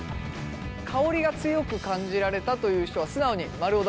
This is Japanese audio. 香りが強く感じられたという人は素直に「○」を出してください。